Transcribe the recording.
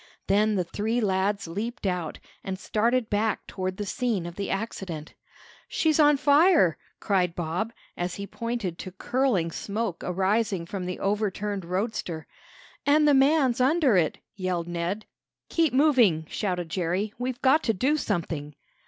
Then the three lads leaped out, and started back toward the scene of the accident. "She's on fire!" cried Bob, as he pointed to curling smoke arising from the overturned roadster. "And the man's under it!" yelled Ned. "Keep moving!" shouted Jerry. "We've got to do something!"